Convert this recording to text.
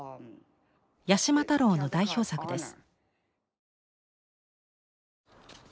八島太郎の代表作です。